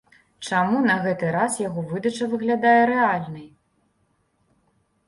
Чаму на гэты раз яго выдача выглядае рэальнай?